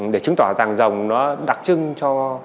để chứng tỏ rằng rồng nó đặc trưng cho